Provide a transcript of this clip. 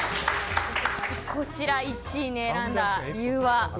こちら、１位に選んだ理由は？